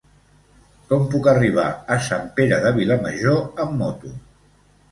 Com puc arribar a Sant Pere de Vilamajor amb moto?